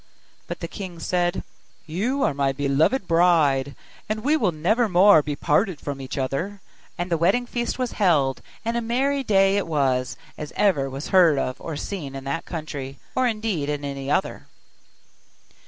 But the king said, 'You are my beloved bride, and we will never more be parted from each other.' And the wedding feast was held, and a merry day it was, as ever was heard of or seen in that country, or indeed in any other.